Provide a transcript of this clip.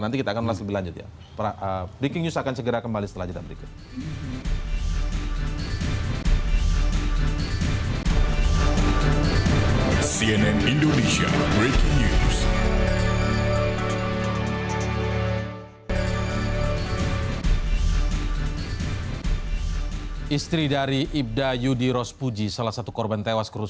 nanti kita akan lanjut